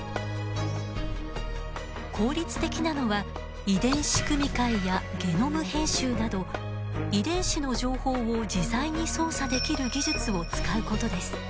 効率的なのは遺伝子組み換えやゲノム編集など遺伝子の情報を自在に操作できる技術を使うことです。